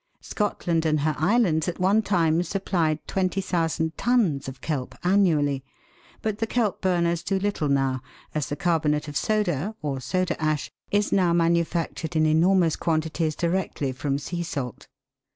Scotland and her islands at one time supplied 20,000 tons of kelp annually ; but the kelp burners do little now, as the carbonate of soda, or soda ash, is now manufactured in enormous quantities directly from sea salt.